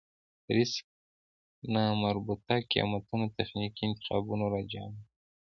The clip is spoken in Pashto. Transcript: ريسک نامربوطه قېمتونه تخنيکي انتخابونو راجع کوو.